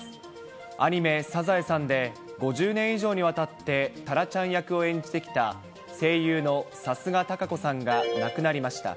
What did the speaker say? アニメ、サザエさんで、５０年以上にわたってタラちゃん役を演じてきた声優の貴家堂子さんが亡くなりました。